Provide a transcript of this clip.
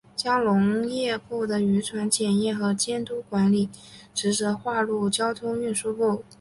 将农业部的渔船检验和监督管理职责划入交通运输部。